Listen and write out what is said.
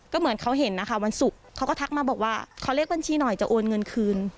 ก็เหมือนเขาเห็นนะคะวันศุกร์เขาก็ทักมาบอกว่าขอเลขบัญชีหน่อยจะโอนเงินคืน